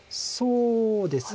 そうですね。